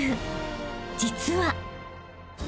［実は］